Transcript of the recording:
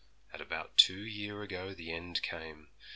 And about two year ago the end came.